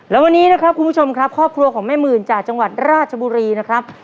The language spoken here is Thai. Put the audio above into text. และวันนี้นะครับคุณผู้ชมครับครอบครัวของแม่หมื่นจากจังหวัดราชบุรีนะครับ